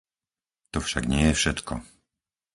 To však nie je všetko.